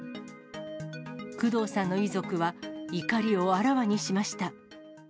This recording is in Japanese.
工藤さんの遺族は、怒りをあらわにしました。